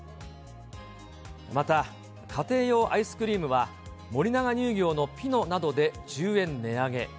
また、家庭用アイスクリームは、森永乳業のピノなどで１０円値上げ。